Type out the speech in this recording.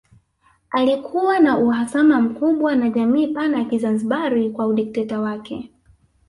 Alikuwa na uhasama mkubwa na jamii pana ya Kizanzibari kwa udikteta wake